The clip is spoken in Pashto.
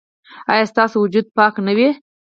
ایا ستاسو وجود به پاک نه وي؟